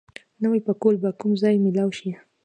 نوی پکول به کوم ځای مېلاو شي؟